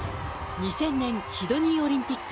２０００年シドニーオリンピック。